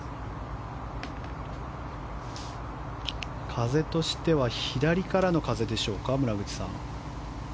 風としては左からの風でしょうか村口さん。